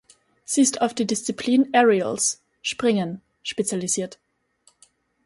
Sie ist auf die Disziplin Aerials (Springen) spezialisiert.